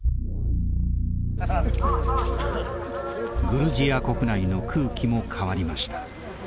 グルジア国内の空気も変わりました。